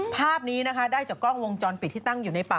ภาพนี้นะคะได้จากกล้องวงจรปิดที่ตั้งอยู่ในป่า